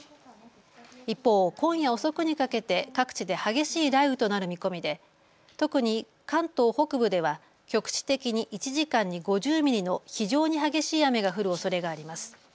一方、今夜遅くにかけて各地で激しい雷雨となる見込みで特に関東北部では局地的に１時間に５０ミリの非常に激しい雨が降るおそれがあります。